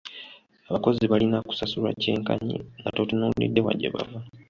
Abakozi balina kusasulwa kyenkanyi nga totunuulidde wa gye bava.